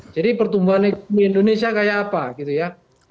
jadi pertumbuhan ekonomi indonesia kayak apa gitu ya